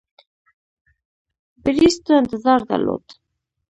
بریسټو انتظار درلود.